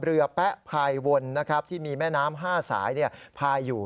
เรือแป๊ะภายวนนะครับที่มีแม่น้ำห้าสายเนี่ยภายอยู่